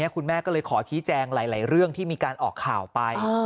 คุณแม่ก็เลยขอชี้แจงหลายเรื่องที่มีการออกข่าวไป